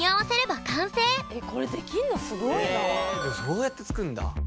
そうやって作るんだ。